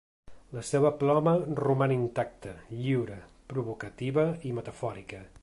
La seva ploma roman intacta, lliure, provocativa i metafòrica.